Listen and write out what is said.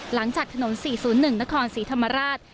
หลังจากถนน๔๐๑นครศรีธรรมราช